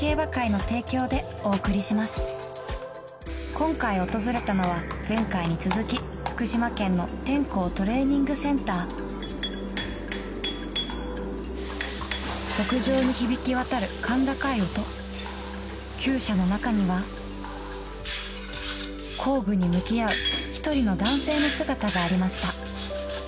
今回訪れたのは前回に続き福島県のテンコー・トレーニングセンター牧場に響き渡る甲高い音厩舎の中には工具に向き合う一人の男性の姿がありました